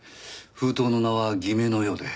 封筒の名は偽名のようで。